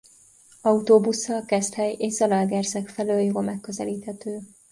Autóbusszal Keszthely és Zalaegerszeg felől jól megközelíthető.